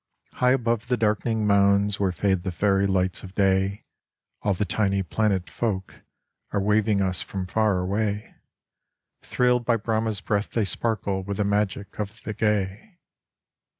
High above the darkening mounds where fade the fairy lights of day, All the tiny planet folk are waving us from far away ; Thrilled by Brahma's breath they sparkle with the magic of the gay.